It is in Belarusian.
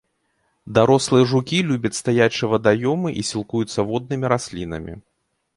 Дарослыя жукі любяць стаячыя вадаёмы і сілкуюцца воднымі раслінамі.